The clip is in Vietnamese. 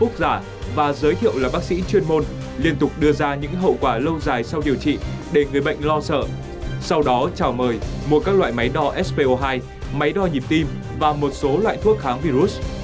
các bác sĩ chuyên môn liên tục đưa ra những hậu quả lâu dài sau điều trị để người bệnh lo sợ sau đó chào mời mua các loại máy đo spo hai máy đo nhịp tim và một số loại thuốc kháng virus